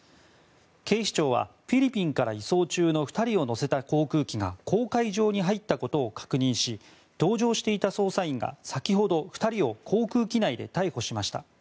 警視庁はフィリピンから移送中の２人を乗せた航空機が公海上に入ったことを確認し同乗していた捜査員が先ほど２人を航空機内で逮捕しました。